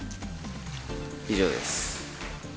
以上です。